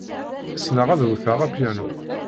Ssneɣ ad wteɣ apyanu.